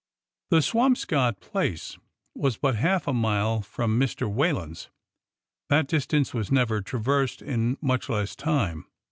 The Swamscott place was but half a mile from Mr. Whalen's. That distance was never traversed in much less time.